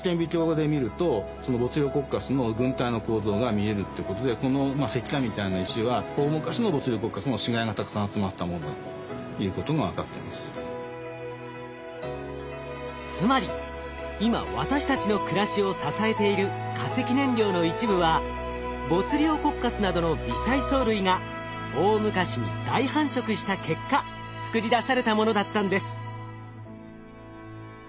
見えてきたのはなんとつまり今私たちの暮らしを支えている化石燃料の一部はボツリオコッカスなどの微細藻類が大昔に大繁殖した結果作り出されたものだったんです。